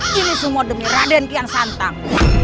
kini semua demi raden kian santang